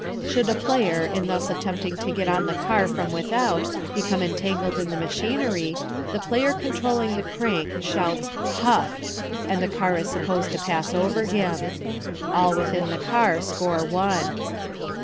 Should a player, in thus attempting to get on the car from without, become entangled in the machinery, the player controlling the crank shouts "huff!" and the car is supposed to pass over him. All within the car score one.